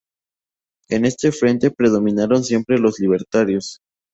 En este frente predominaron siempre los libertarios.